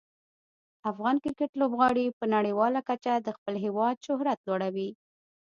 افغان کرکټ لوبغاړي په نړیواله کچه د خپل هیواد شهرت لوړوي.